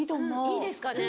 いいですかね。